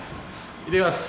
いってきます。